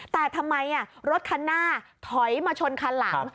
แต่ทำไมรถคันหน้าถอยมาชนคันหลัง